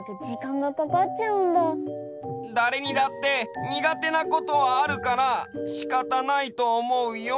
だれにだって苦手なことはあるからしかたないとおもうよ。